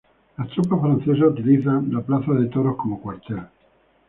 Las tropas francesas utilizan la Plaza de Toros como cuartel.